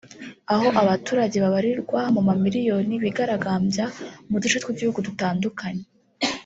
aho abaturage babarirwa mu mamiliyoni bigaragambyaga mu duce tw’igihugu dutandukanye